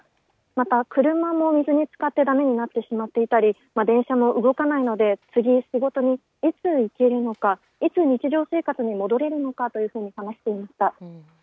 また車も水に浸かってだめになってしまっていたり電車も動かないので次仕事にいつ行けるのかいつ日常生活に戻れるのかと話していました。